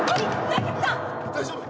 大丈夫。